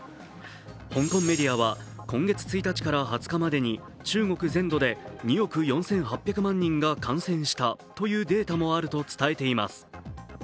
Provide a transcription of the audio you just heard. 香港メディアは今月１日から２０日までに中国全土で２億４８００万人が感染したというデータもあると伝えています。